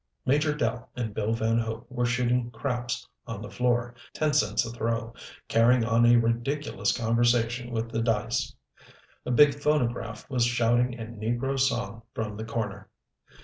Major Dell and Bill Van Hope were shooting craps on the floor, ten cents a throw, carrying on a ridiculous conversation with the dice. A big phonograph was shouting a negro song from the corner.